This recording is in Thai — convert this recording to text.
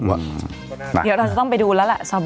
เดี๋ยวเราจะต้องไปดูแล้วล่ะ